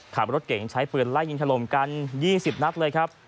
ขับรถเก่งใช้ปืนไล่ยิงถล่มกัน๒๐นัดเลยครับ